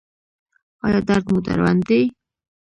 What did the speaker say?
ایا درد مو دروند دی؟